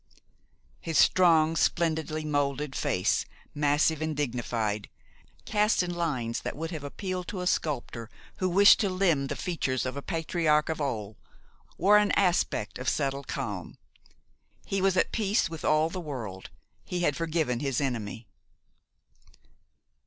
His strong, splendidly molded face, massive and dignified, cast in lines that would have appealed to a sculptor who wished to limn the features of a patriarch of old, wore an aspect of settled calm. He was at peace with all the world. He had forgiven his enemy.